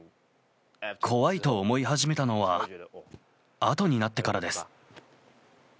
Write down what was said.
怖いと思い始めたのはあとになってからです。